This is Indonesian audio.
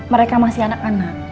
mereka masih anak anak